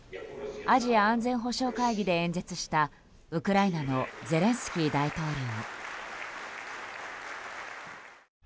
アジア安全保障会議で演説したウクライナのゼレンスキー大統領。